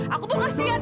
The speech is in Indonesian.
aku tuh kasihan